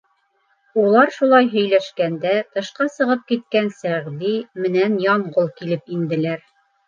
Улар шулай һөйләшкәндә, тышҡа сығып киткән Сәғди менән Янғол килеп инделәр.